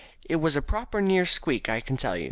It was a proper near squeak, I can tell ye."